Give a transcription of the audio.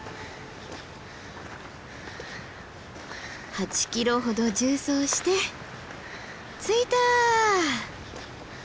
８ｋｍほど縦走して着いた。